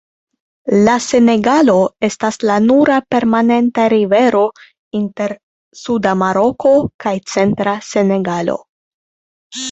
La Senegalo estas la nura permanenta rivero inter suda Maroko kaj centra Senegalo.